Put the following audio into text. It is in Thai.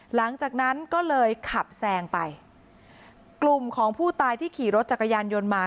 หลังจากนั้นก็เลยขับแซงไปกลุ่มของผู้ตายที่ขี่รถจักรยานยนต์มา